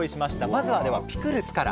まずはではピクルスから。